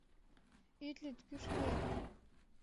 — Ит лӱд, кӱш лӱем.